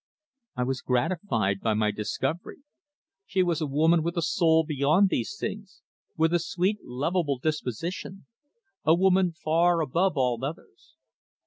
I was gratified by my discovery. She was a woman with a soul beyond these things, with a sweet, lovable disposition a woman far above all others.